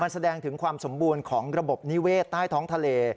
แสดงถึงความสมบูรณ์ของระบบนิเวศใต้ท้องทะเล